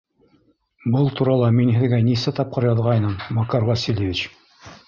Был турала мин һеҙгә нисә тапҡыр яҙғайным, Макар Васильевич.